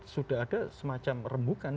sudah ada semacam rembukan